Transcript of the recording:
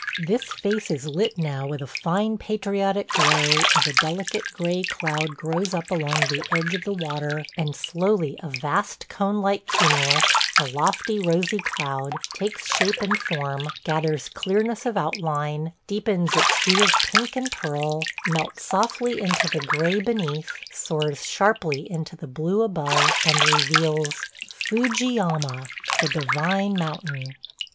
This face is lit now with a fine patriotic glow as a delicate gray cloud grows up along the edge of the water and slowly a vast cone like cumulus, a lofty rosy cloud, takes shape and form, gathers clearness of outline, deepens its hue of pink and pearl, melts softly into the gray beneath, soars sharply into the blue above, and reveals – Fujiyama ... the divine mountain!